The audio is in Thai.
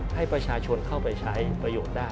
ให้ประชาชนเข้าไปใช้ประโยชน์ได้